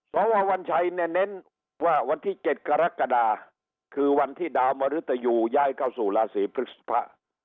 สววัญชัยเนี่ยเน้นว่าวันที่๗กรกฎาคือวันที่ดาวมริตยูย้ายเข้าสู่ราศีพฤษภา